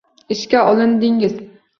- Ishga olindingiz!